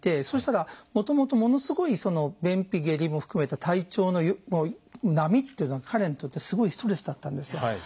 そうしたらもともとものすごい便秘下痢も含めた体調の波というのは彼にとってすごいストレスだったんですよ。